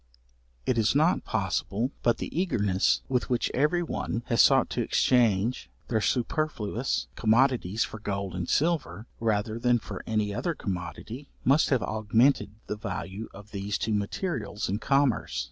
It is not possible, but the eagerness with which every one has sought to exchange their superfluous commodities for gold and silver, rather than for any other commodity, must have augmented the value of these two materials in commerce.